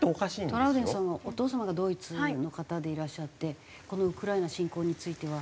トラウデンさんはお父様がドイツの方でいらっしゃってこのウクライナ侵攻については。